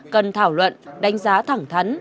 cần thảo luận đánh giá thẳng thắn